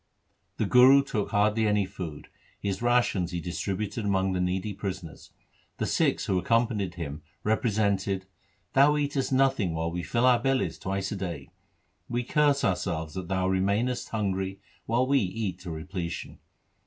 The Guru took hardly any food, — his rations he distributed among the needy prisoners. The Sikhs who accompanied him represented 'Thou eatest nothing while we fill our bellies twice a day. We curse ourselves that thou remainest hungry while we eat to repletion.